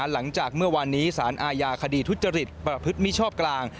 หลังจากเมื่อวานนี้สารอาญาคดีทุจริตประพฤติมิชอบกลาง